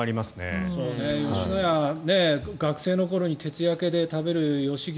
吉野家は学生の頃に徹夜明けで食べる吉牛